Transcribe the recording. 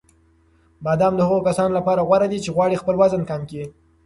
بادام د هغو کسانو لپاره غوره دي چې غواړي خپل وزن کم کړي.